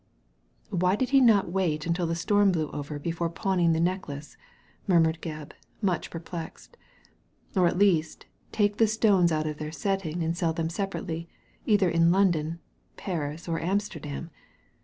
Why did he not wait until the storm blew over before pawning the necklace,*' murmured Gebb, much perplexed, "or, at least, take the stones out of their setting and sell them separately, either in London, Paris, or Amsterdam